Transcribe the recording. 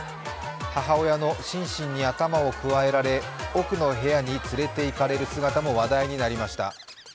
母親のシンシンに頭をくわえられ奥の部屋に連れて行かれる姿も話題になりました。